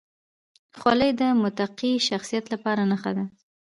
خولۍ د متقي شخصیت لپاره نښه ده.